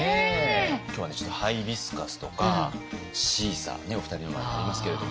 今日はねちょっとハイビスカスとかシーサーねお二人の前にありますけれども。